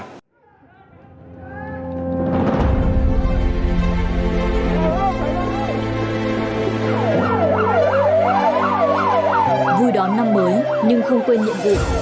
những người đón năm mới nhưng không quên nhiệm vụ